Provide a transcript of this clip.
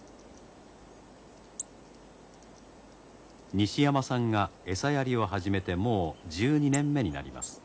西山さんが餌やりを始めてもう１２年目になります。